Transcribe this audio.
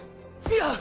いや！